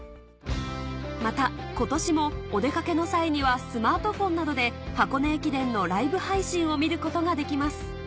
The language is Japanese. また今年もお出掛けの際にはスマートフォンなどで箱根駅伝のライブ配信を見ることができます